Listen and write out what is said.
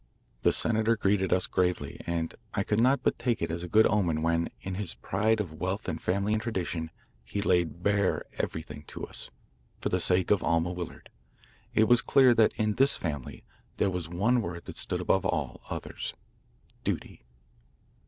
The senator greeted I us gravely, and I could not but take it as a good omen when, in his pride of wealth and family and tradition, he laid bare everything to us, for the sake of Alma Willard. It was clear that in this family there was one word that stood above all others, "Duty."